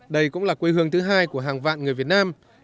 đây cũng là quê hương thứ hai của hàng vạn người việt nam